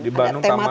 di bandung taman